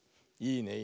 いいね。